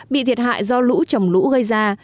bị thiệt hại do lũ chổng lũ gây ra